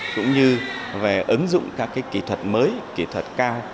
cũng như về ứng dụng các kỹ thuật mới kỹ thuật cao